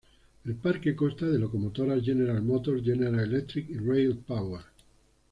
El parque consta de locomotoras General Motors, General Electric y Rail Power.